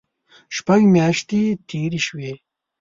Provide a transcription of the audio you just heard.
شپږ میاشتې تېرې شوې.